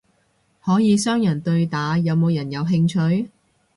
可以雙人對打，有冇人有興趣？